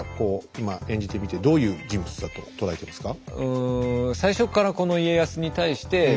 今演じてみてどういう人物だと捉えてますか？